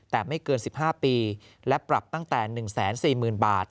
แต่ไม่เกิน๑๕ปีและปรับตั้งแต่๑๔๐๐๐บาท